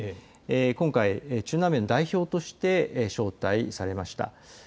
今回、中南米の代表として招待されました。